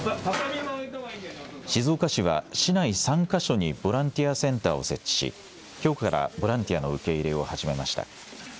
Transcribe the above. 静岡市は市内３か所にボランティアセンターを設置しきょうからボランティアの受け入れを始めました。